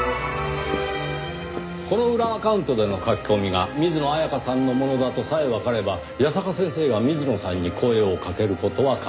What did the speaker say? この裏アカウントでの書き込みが水野彩香さんのものだとさえわかれば矢坂先生が水野さんに声をかける事は可能。